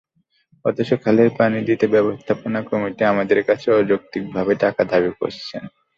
অথচ খালের পানি দিতে ব্যবস্থাপনা কমিটি আমাদের কাছে অযৌক্তিকভাবে টাকা দাবি করছে।